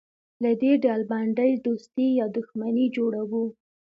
له دې ډلبندۍ دوستي یا دښمني جوړوو.